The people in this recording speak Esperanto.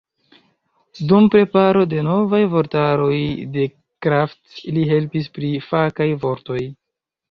Dum preparo de novaj vortaroj de Kraft li helpis pri fakaj vortoj.